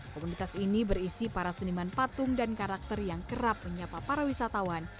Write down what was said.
komunitas ini berisi para seniman patung dan karakter yang kerap menyapa para wisatawan